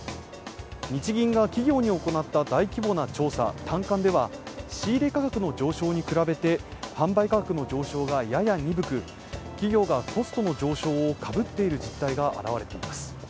日銀が企業に行った大規模な調査、短観では仕入れ価格の上昇に比べて販売価格の上昇がやや鈍く、企業がコストの上昇をかぶっている実態が現れています。